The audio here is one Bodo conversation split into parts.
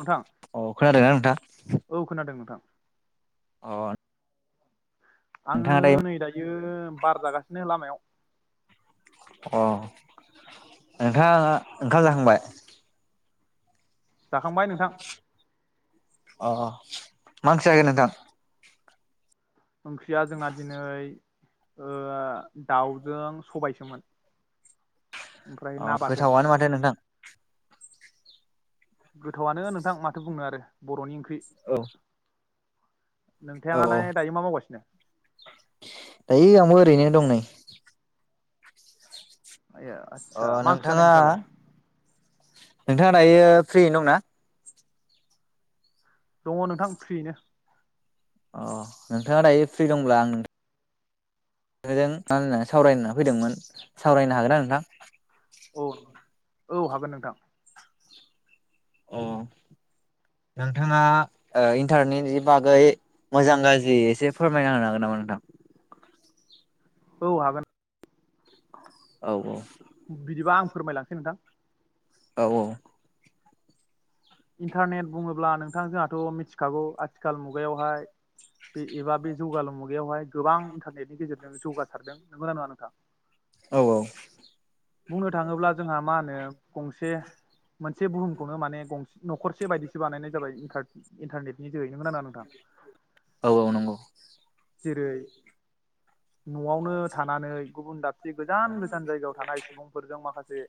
नोंथां अ खोनादोंना नोंथां। औ खोनादों नोंथां अ। आङो नै दायो बार जागासिनो लामायाव। अ नोंथाङा ओंखाम जाखांबाय? जाखांबाय नोंथां। अ मा ओंख्रि जाखो नोंथां। ओंख्रिया जोंना दिनै। ओ दाउजों सबायसोमोन। ओमफ्राय अ ना बाथोन गोथावानो माथो नोंथां। गोथावआनो नोंथां माथो बुंनो आरो। बरनि ओंख्रि। औ। औ औ नोंथाङालाय दायो मा मावगासिनो दायो आंबो ओरैनो। दं नै। ए अ आदसा मा ओंख्रि जानाय नोंथाङालाय? नोंथां दायो फ्रि दंना? दङ नोंथां फ्रियैनो। अ नोंथाङा दायो फ्रि दंब्ला आं नोंथां जों सावरायनो फैदोंमोन सावरायनो हागोन ना औ नोंथां। औ हागोन नोंथां [inaudible] अ नोंथाङा इन्टारनेटनि बागै मोजां गाज्रि एसे फोरमायना होनो हागोन नामा नोंथां। औ हागोन। औ औ। बिदिबा आं फोरमायलांसै नोंथां। औ औ। इन्टारनेट बुङोब्ला नोंथां जोंहाथ' मिथिखागौ आथिखाल मुगायावहाय बे एबा बे जौगालु मुगायावहाय गोबां इन्टारनेटनि गेजेरजों जौगासारदों। नंगौना नङा नोंथां? औ औ। बुंनो थाङोब्ला जोंहा मा होनो गंसे मोन से बुहुमखौनो माने गंसे न'खरसे बायदिसो बानायनाय जाबाय इन्टारनेटनि जोहै। नंगौना नङा नोथां? औ औ नंगौ जेरै न'आवनो थानानै गुबुन दाबसे गोजान गोजान जायगायाव थानाय सुबुंफोरजों माखासे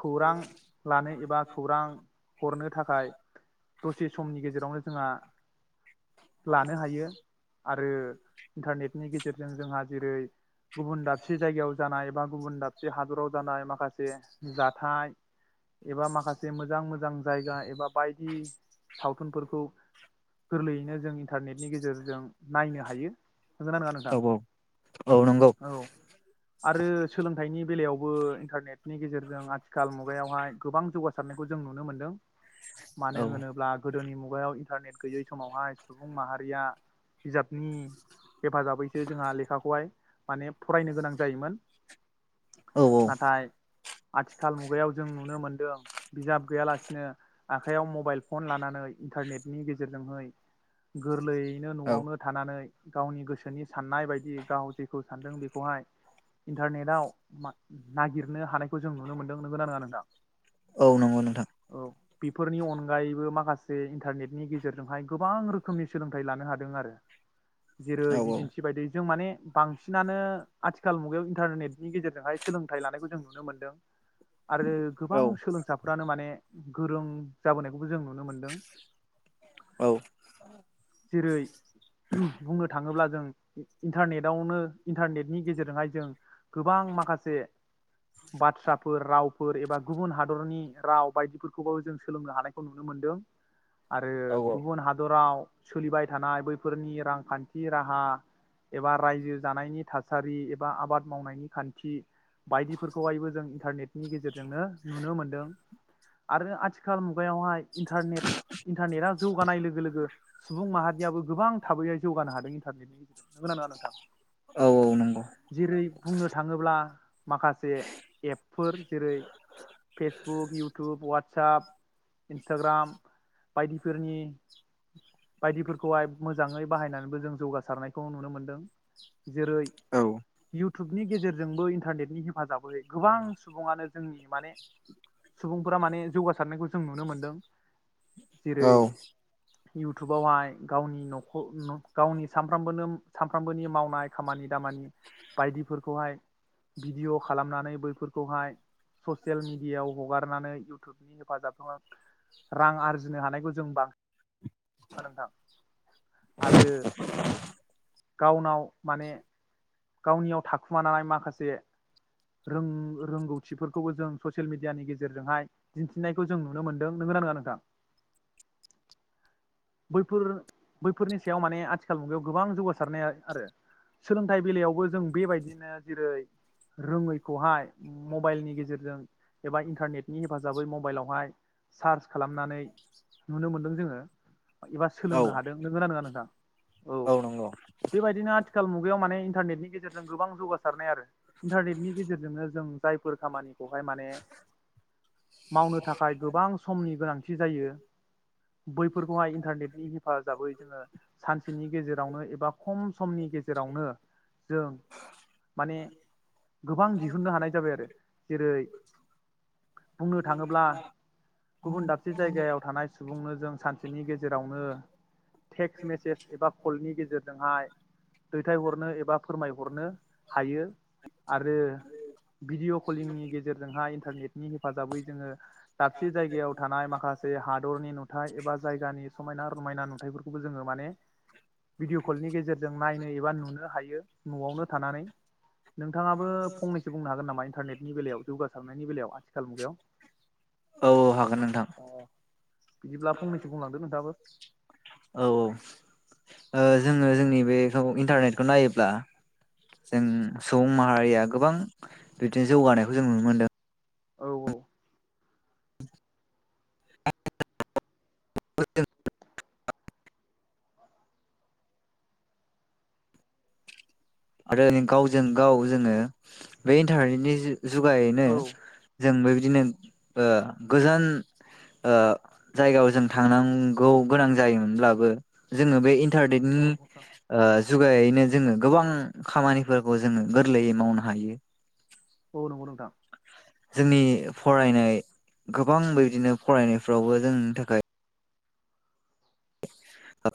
खौरां लानो एबा खौरां हरनो थाखाय दसे समनि गेजेरावनो जोंहा लानो हायो। आरो इन्टारनेटनि गेजेरजों जोंहा जेरै गुबुन दाबसे जायगायाव जानाय बा गुबुन दाबसे हादराव जानाय माखासे एबा माखासे मोजां मोजां जायगा एबा बायदि सावथुनफोरखौ गोरलैयैनो जों इन्टारनेटनि गेजेरजों नायनो हायो। नोंगोना नोङा औ नोंथां? औ नंगौ औ आरो सोलोंथाइनि बेलायाव बो इन्टारनेटनि गेजेरजों आथिखाल मुगायावहाय गोबां जौगासारनायखौ जों नुनो मोन्दों। मानो औ होनोब्ला गोदोनि मु गायाव इन्टारनेट गैयै समावहाय सुबुं माहारिया बिजाबनि हेफाजाबैसो जोंहा लेखाखौहाय माने फरायनो गोनां जायोमोन। औ औ नाथाय आथिखाल मुगायाव जों नुनो मोनदों बिजाब गैयालासिनो आखायाव मबाइल फन लानानै इन्टारनेटनि गेजेरजोंहै गोरलै बिदिनो औ न'आवनो थानानै गावनि गोसोनि साननाय बायदि गाव जेखौ सानदों बेखौहाय इन्टारनेटाव नागिरनो हानायखौ जों नुनो मोनदों। नोंगोना नोङा नोंथां? औ नंगौ नोंथां। औ बेफोरनि अनगायैबो माखासे इन्टारनेटनि गेजेरजोंहाय गोबां रोखोमनि सोलोंथाइ लानो हादों आरो। जेरै औ बिदिन्थि बायदि जों माने बांसिनानो आथिखाल मुगायाव इन्टारनेटनि गेजेरजोंहाय सोलोंथाइ लानायखौ जों नुनो मोनदों। आरो औ गोबां सोलोंसाफोरानो माने गोरों जाबोनायखौबो जों नुनो मोनदों। जेरै थाङोब्ला जों इन्टारनेटआवनो इन्टारनेटनि गेजेरजोंहाय जों गोबां माखासे बाथ्राफोर रावफोर एबा गुबुन हादरनि राव बायदिफोरखौबो जों सोलोंनो हानायखौ नुनो मोनदों। आरो औ गुबुन हादराव सोलिबाय थानाय बैफोरनि रां खान्थि राहा एबा रायजो जानायनि थासारि एबा आबाद मावनायनि खान्थि बायदिफोरखौहायबो जों इन्टारनेटनि गेजेरजोंनो नुनो मोनदों। आरो आथिखाल मुगायावहाय इन्टारनेट इन्टारनेटा जौगानाय लोगो लोगो सुबुं माहारियाबो गोबां थाबैयै जौगानो हादों इन्टारनेटनि गेजेराव नंगो ना नङा नोंथां औ नंगौ जेरै बुंनो थाङोब्ला माखासे एपफोर जेरै फेसबुक इउटुब वाटसप इन्सटाग्राम बायदिफोरनि बायदिफोरखौहाय मोजाङै बाहायनानैबो जों जौगासारनायखौ नुनो मोनदों जेरै औ इउ टुबनि गेजेरजोंबो इन्टारनेटनि हेफाजाबै गोबां सुबुङानो जोंनि माने सुबुंफोरा माने जौगासारनायखौ जों नुनो मोनदों औ जेरै इउटुबावहाय गावनि नख गावनि सानफ्रामबो सानफ्रामबोनि मावनाय खामानि दामानि बायदिफोरखौहाय भिडिअ खालामनानै बैफोरखौहाय ससियेल मेडियायाव हगारनानै इउटुबनि हेफाजाबखौ रां आरजिनो हानायखौ जों बांसिना नोंथां आरो गावनाव माने गावनियाव थाखुमानाय माखासे रों रोंगौथिफोरखौबो जों ससियेल मिडियानि गेजेरजोंहाय दिन्थिनायखौ जों नुनो मोनदों नोंग नङा नोंथां बैफोर बैफोरनि सायाव माने आथिखाल मुगायाव गोबां जौगासारनाय आरो सोलोंथाइ बेलायावबो जों बेबायदिनो जेरै रोङैखौहाय मबाइलनि गेजेरजों एबा इन्टारनेटनि हेफाजाबै मबाइलावहाय सार्च खालामनानै नुनो मोनदों जोङो एबा सोलोंनो हादों नोंगोना नङा नोंथां? औ नंगौ बेबायदिनो आथिखाल मुगायाव माने इन्टारनेटनि गेजेरजों गोबां जौगासारनाय आरो इन्टारनेटनि गेजेरजोंनो जों जायफोर खामानि खौहाय माने मावनो थाखाय गोबां समनि गोनांथि थि जायो बैफोरखौहाय इन्टारनेटनि हेफाजाबै जोङो सानसेनि गेजेरावनो एबा खम समनि गेजेरावनो जों माने गोबां दिहुननो हानाय जाबाय आरो जेरै बुंनो थाङोब्ला गुबुन दाबसे जायगायाव थानाय सुबुं सुबुंनो जों सानसेनि गेजेरावनो टेक्स्ट मेसेज एबा कलनि गेजेरजोंहाय दैथायहरनो एबा फोरमायहरनो हायो। आरो भिडिअ कलिंनि गेजेरजोंहाय इन्टारनेटनि हेफाजाबै जोङो दाबसे जायगायाव थानाय माखासे हादरनि नुथाय एबा जायगानि समायना रमायना नुथायफोरखौबो जोङो माने भिडिअ कलनि गेजेरजों नायनो एबा नुनो हायो नआवनो थानानै नोंथाङाबो फंनैसो बुंनो हागोन नामा इन्टारनेटनि बेलायाव जौगासारनायनि बेलायाव आथिखाल औ हागोन नोंथां मुगायाव बिदिब्ला फंनसो बुंलांदों नोंथाङाबो औ औ जोङो जोंनि बेखौ इन्टारनेटखौ नायोब्ला जों सुबुं माहारिया गोबां बिदिनो जौगानायखौ जों नुनो मोनदों औ औ [unintelligible] आरो गावजों गाव जोङो बे इन्टारनेटनि जुगायैनो औ जों बेबायदिनो ओ गोजान ओ जायगायाव जों थांनांगौ गोनां जायोमोनब्लाबो जोङो बे तारनेदनि औ नोंथां ओ जुगायैनो जोङो गोबां खामानिफोरखौ जोङो गोरलैयै मावनो हायो। औ नंगौ नोंथां। जोंनि फरायनाय गोबां बिदिनो फरायनायफ्रावबो जोंनि थाखाय [unintelligible]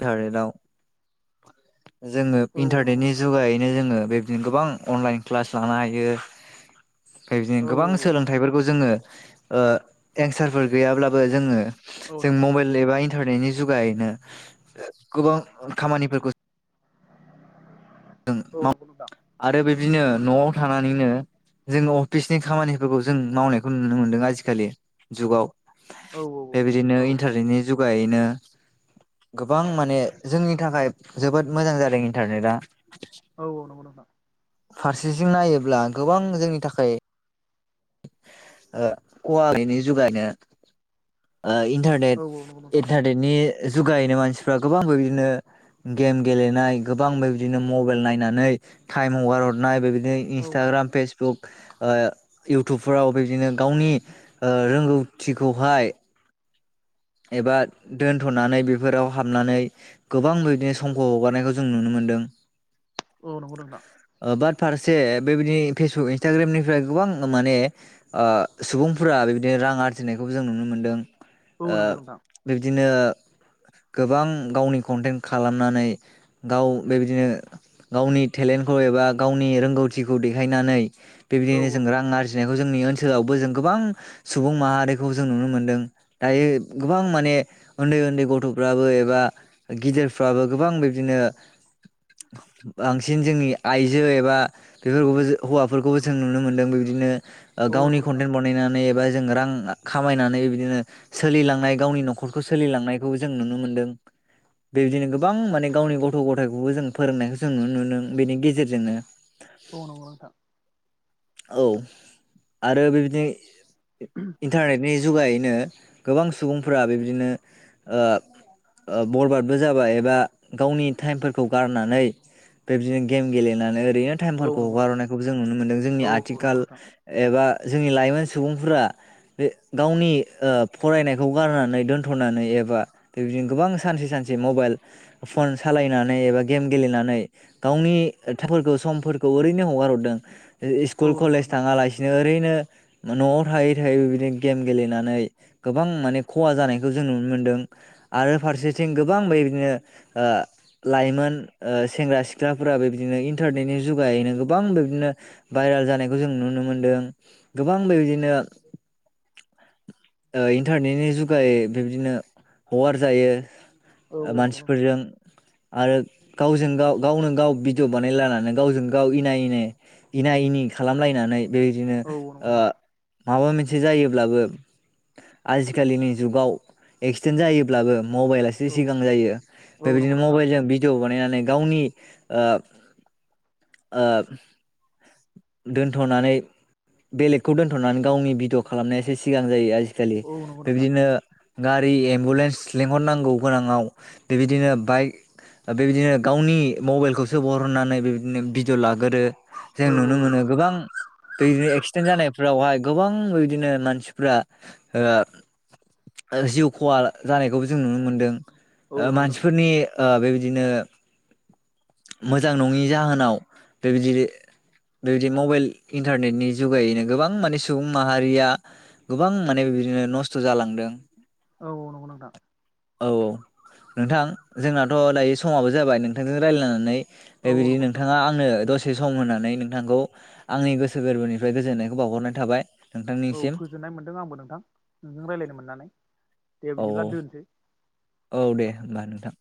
जोङो औ औ नंगौ इन्टारनेटनि नोंथां जुगायैनो जोङो बे बि गोबां अनलाइन क्लास लानो हायो। ओमफ्राय बिदिनो औ गोबां सोलोंथाइफोर जोङो ओ एंसार फोर गैयाब्लाबो जोङो औ जों नंगौ नोंथां मबाइल एबा इन्टारनेनि जुगायनो गोबां खामानिफोरखौ औ नंगौ नोंथां [unintelligible] आरो बे बिदिनो न'आव थानानैनो जोङो अफिसनि खामानिफोरखौ जों मावनायखौ नुनो मोनदों आजिखालि जुगाव। औ औ बेबायदिनो औ इन्टारनेटनि जुगायैनो गोबां माने जोंनि थाखाय जोबोद मोजां जादों इन्टारनेटआ। औ औ नंगौ नोंथां। फारसेथिं नायोब्ला गोबां जोंनि थाखाय ओ कवारिनि जुगानो ओ इन्टारनेट औ नंगौ नोंथां इन्टारनेटनि जुगायैनो मानसि मानसिफ्रा गोबांबो बिदिनो गेम गेलेनाय गोबांबो बिदिनो मबाइल नायनानै टाइम हगार हरनाय बेबादि नों औ इन्सटाग्राम पेज जख ओ इउटुबफोराव बेदिनो गावनि रोंगौथिखौहाय एबा दोनथ'नानै बेफोराव हाबनानै गोबां बिदिनो समखौ हगारनायखौ जों नुनो मोनदों। औ नंगौ नोंथां आबाद फारसे बेबायदि फेसबुक इन्सटाग्रामनिफ्राय गोबां माने ओ सुबुंफोरा बेदिनो रां आरजिनायखौ जों नुनो मोनदों। औ ओ नंगौ नोंथां बिब्दिनो गोबां गावनि कन्टेन्ट खालामनानै गाव बेबायदिनो गावनि टेलेन्टखौ एबा गावनि रोंगौथिखौ देखायनानै बेबायदिनो जों औ रां आरजिनाय जोंनि ओनसोलावबो जों गोबां सुबुं माहारिखौ जों नुनो मोनदों। दायो गोबां माने उन्दै उन्दै गथ'फ्राबो एबा गिदिरफ्राबो गोबां बिब्दिनो बांसिन जोंनि आइजो एबा बेफोरखौबो हौवाफोरखौबो जों नुनो मोनदों बिब्दिनो। औ गावनि नंगौ नोंथां कन्टेन्ट बनायनानै एबा जोङो रां खामायनानै बिदिनो सोलिलांनाय गावनि न'खरखौ सोलिलांनायखौ जों नुनो मोनदों बेबायदिनो गोबां माने गावनि गथ' गथायखौबो जों फोरोंनायखौ जों नुनो मोनदों बेनि गेजेरजोंनो। औ नंगौ नोंथां। औ आरो बेबादि इन्टारनेट बे जुगायैनो गोबां सुबुंफोरा बिबदिनो ओं बरबादबो जाबाय एबा गावनि टाइमफोरखौ गारनानै बेबदिनो गेम गेलेनानै ओरैनो औ टाइमखौ नंगौ नोंथां बारहोनायखौबो जों नुनो मोनदों। औ नंगौ आथिखाल नोंथां एबा जोंनि लाइ लाइमोन सुबुंफोरा बे गावनि ओं फरायनायखौ गारनानै दोनथ'नानै एबा बेबायदिनो गोबां सानसे सानसे मबाइल फन सालायनानै एबा गेम गेलेनानै गावनिफोरखौ समफोरखौ ओरैनो हगार हरदों। औ स्कुल नंगौ कलेज नोंथां थाङालासिनो ओरैनो न'आव थायै थायै बेदिनो गेम गेलेनानै गोबां माने खहा जानायखौ जों नुनो मोनदों आरो फारसेथिं गोबां बेदिनो ओं लाइमोन ओं सेंग्रा सिख्लाफोरा बेबायदिनो इन्टारनेटनि जुगायैनो गोबां बेबदिनो भाइरेल जानायखौ जों नुनो मोनदों गोबां बेबायदिनो ओं इन्टारनेटनि जुगायै बिबदिनो हगार जायो औ ओं नंगौ नोंथां मानसिफोरजों आरो गावजों गाव गावनो गाव भिडिअ' बानायलानानै गावजों गाव इना इनि इना एनि खालामलायनानै बेबायदिनो औ औ नंगौ नोंथां ओं माबा मोनसे जायोब्लाबो- आजिखालिनि जुगाव एक्सिडेन्ट जायोब्लाबो मबाइलासो औ सिगां जायो औ बेबायदिनो नंगौ नोंथां मबाइल जों भिडिअ' बानायनानै गावनि ओं ओं दोनथ'नानै बेलेगखौ दोनथ'नानै गावनि भिडिअ खालामनायासो सिगां जायो आरो आजि खालि औ नंगौ नोंथां बेबायदिनो गारि एम्बुलेन्स लिंहरनांगौ गोनाङाव बेबायदिनो बाइक बेबायदिनो गावनि मबाइलखौसो बरनानै बेबायदिनो भिडिय' लागोरो। जों औ नुनो मोनो गोबां दै एक्सिडेन्ट जानायफोरावहाय गोबां बिदिनो मानसिफ्रा ओं ओं जिउ खहा जानायखौबो जों नुनो मोनदों। औ ओं नंगौ नोंथां मानसिफोरनि ओं बेबायदिनो बिदिनो मोजां नङि जाहोनाव बेबायदि बेबायदि मबाइल इन्टारनेटनि जुगायैनो गोबां माने सुबुं माहारिया गोबां माने बेबायदिनो नस्थ' जालांदों। औ औ नंगौ नोंथां औ औ नोंथां जोंनाथ' दायो समाबो जाबाय नोंथांजों रायज्लायनां नै औ बेबायदि नंगौ नोंथां नोंथाङा आंनो दसे सम होनानै नोंथांखौ आंनि गोसो गोरबोनिफ्राय गोजोननायखौ बावहरनाय थाबाय। औ नोंथांनिसिम गोजोननाय मोनदों आंबो नोंथां नोंजों रायज्लायनो मोननानै दे औ बिदिब्ला दोनसै। औ दे होमबा नोंथां